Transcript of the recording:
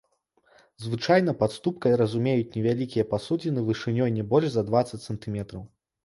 Звычайна пад ступкай разумеюць невялікія пасудзіны вышынёй не больш за дваццаць сантыметраў.